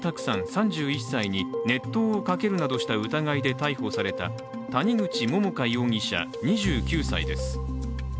３１歳に熱湯をかけるなどした疑いで逮捕された谷口桃花容疑者、２９歳です。